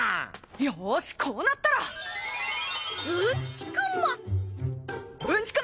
よしこうなったら！うんちく魔！